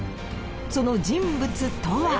その人物とは？